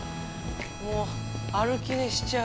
もう歩き寝しちゃう。